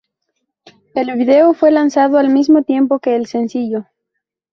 El video fue lanzado al mismo tiempo que el sencillo.